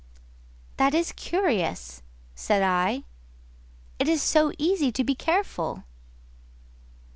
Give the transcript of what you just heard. "That is curious," said I, "it is so easy to be careful."